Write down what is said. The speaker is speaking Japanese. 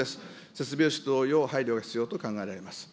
設備投資同様、配慮が必要と考えられます。